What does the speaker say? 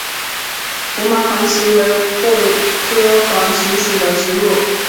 胡麻黄耆为豆科黄芪属的植物。